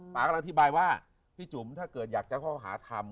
กำลังอธิบายว่าพี่จุ๋มถ้าเกิดอยากจะเข้าหาทำ